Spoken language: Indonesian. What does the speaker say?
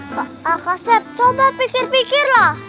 kakak sahab coba pikir pikirlah